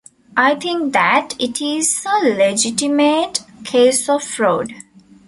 I think that it is a legitimate case of fraud.